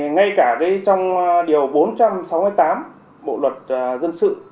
ngay cả trong điều bốn trăm sáu mươi tám bộ luật dân sự